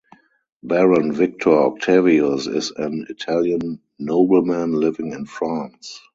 Baron Victor Octavius is an Italian nobleman living in France.